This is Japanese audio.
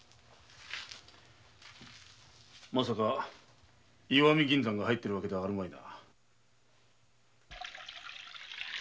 まさか石見銀山が入っているのではあるまいな。